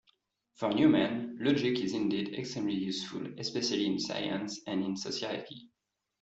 For Newman, logic is indeed extremely useful especially in science and in society.